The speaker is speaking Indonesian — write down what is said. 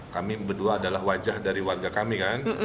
kami berdua adalah wajah dari warga kami kan